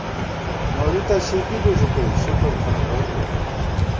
نوری تہ سی پی بی ݫُپُوئی ، شکُر تھنہ بئ بُوَہ